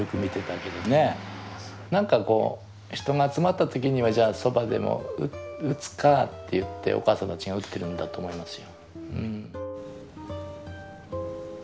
何か人が集まった時にはじゃあ蕎麦でも打つかって言っておかあさんたちが打ってるんだと思いますよ。